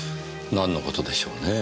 なんのことでしょうねぇ。